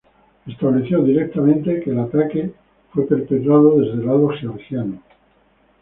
Estableció directamente que el ataque fue perpetrado desde lado georgiano.